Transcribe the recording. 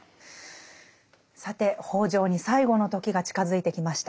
さて北條に最期の時が近づいてきました。